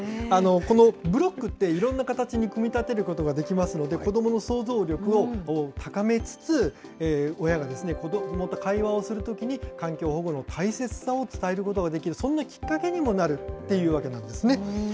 このブロックって、いろんな形に組み立てることができますので、子どもの想像力を高めつつ、親が子どもと会話をするときに、環境保護の大切さを伝えることができる、そんなきっかけにもなるっていうわけなんですね。